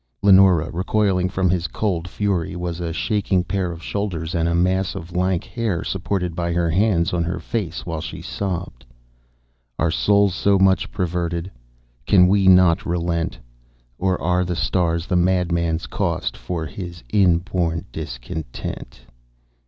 _" Leonora, recoiling from his cold fury, was a shaking pair of shoulders and a mass of lank hair supported by her hands on her face while she sobbed. "_Are our souls so much perverted? Can we not relent? Or are the stars the madman's cost For his inborn discontent?